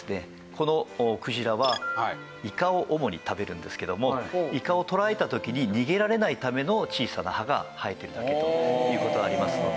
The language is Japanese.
このクジラはイカを主に食べるんですけどもイカをとらえた時に逃げられないための小さな歯が生えているだけという事はありますので。